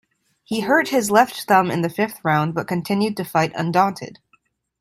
He hurt his left thumb in the fifth round but continued to fight undaunted.